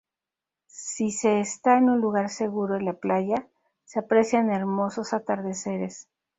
Si se está en un lugar seguro en la playa, se aprecian hermosos atardeceres.